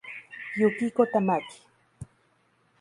Yukiko Tamaki